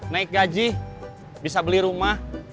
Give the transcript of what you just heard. naik gaji bisa beli rumah